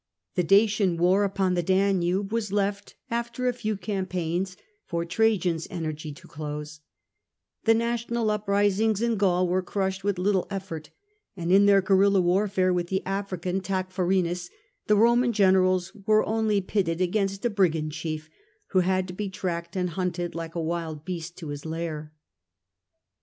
The Dacian war upon the Danube was left, after a few campaigns, for Trajan's energy to close; the national uprisings in Gaul were crushed with little effort ; and in their guerilla warfare with the African Tacfarinas the Roman generals were only pitted against a brigand chief, who had to be tracked and hunted like a wild beast to his lair.